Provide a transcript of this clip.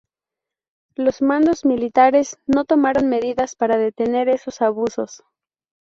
Los mandos militares no tomaron medidas para detener esos abusos.